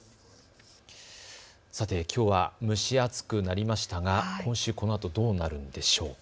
さて、きょうは蒸し暑くなりましたが今週このあとどうなるんでしょうか。